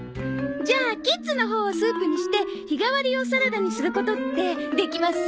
じゃあキッズのほうをスープにして日替わりをサラダにすることってできます？